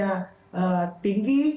yang indeksnya tinggi